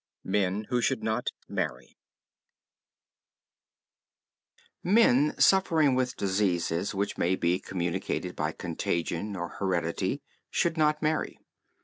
MEN WHO SHOULD NOT MARRY Men suffering with diseases which may be communicated by contagion or heredity should not marry.